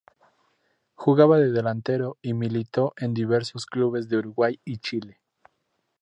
Jugaba de delantero y militó en diversos clubes de Uruguay y Chile.